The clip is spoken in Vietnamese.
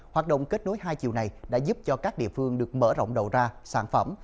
hoạt động kết nối hai chiều này đã giúp cho các địa phương được mở rộng đầu ra sản phẩm